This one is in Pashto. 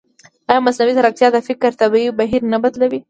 ایا مصنوعي ځیرکتیا د فکر طبیعي بهیر نه بدلوي؟